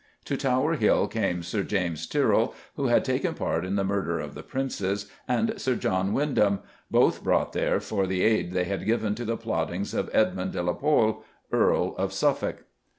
To Tower Hill came Sir James Tyrrell, who had taken part in the murder of the Princes, and Sir John Wyndham both brought there for the aid they had given to the plottings of Edmund de la Pole, Earl of Suffolk.